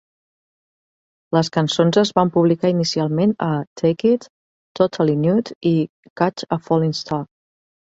Les cançons es van publicar inicialment a Take It, Totally Nude i Catch a Falling Star.